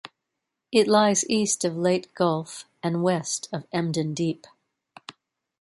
It lies east of Leyte Gulf and west of Emden Deep.